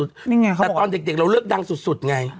นี่ไงแต่ตอนเด็กเราเลือกดังสุดไง